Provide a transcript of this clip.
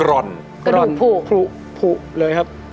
กรอนพูเลยครับ